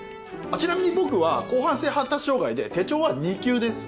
ちなみに僕は広汎性発達障害で手帳は２級です。